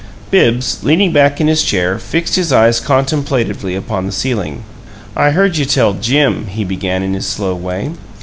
Bibbs, leaning back in his chair, fixed his eyes contemplatively upon the ceiling. "I heard you tell Jim," he began, in his slow way.